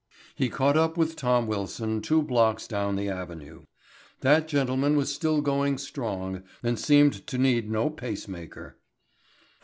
He caught up with Tom Wilson two blocks down the avenue. That gentleman was still going strong and seemed to need no pace maker.